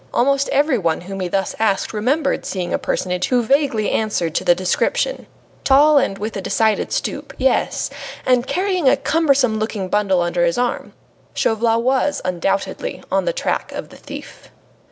Almost everyone whom he thus asked remembered seeing a personage who vaguely answered to the description: tall and with a decided stoop yes, and carrying a cumbersome looking bundle under his arm. Chauvelin was undoubtedly on the track of the thief.